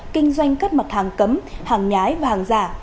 kinh doanh các mặt hàng cấm hàng nhái và hàng giả